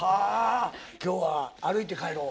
今日は「歩いて帰ろう」。